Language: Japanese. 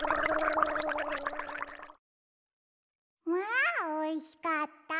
あおいしかった。